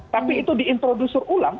tapi itu diintrodusur ulang